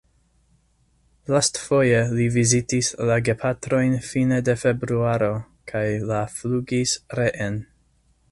Lastfoje li vizitis la gepatrojn fine de februaro kaj la flugis reen.